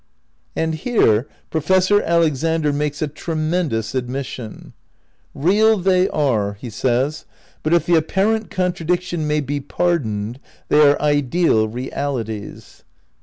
And here Professor Alexander makes a tremendous admission. "Real they are, but if the apparent contradiction may be par doned, they are ideal realities."